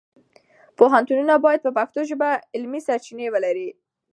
پوهنتونونه باید په پښتو ژبه علمي سرچینې ولري.